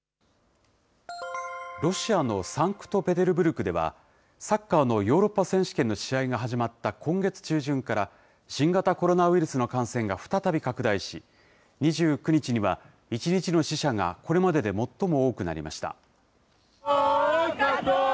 ロシアのサンクトペテルブルクでは、サッカーのヨーロッパ選手権の試合が始まった今月中旬から、新型コロナウイルスの感染がふたたびかくだいし、２９日には１日の死者がこれまでで最も多くなりました。